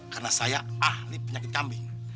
karena saya ahli penyakit kambing